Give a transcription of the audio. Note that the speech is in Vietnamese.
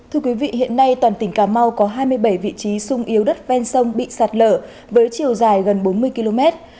thưa quý vị hiện nay toàn tỉnh cà mau có hai mươi bảy vị trí sung yếu đất ven sông bị sạt lở với chiều dài gần bốn mươi km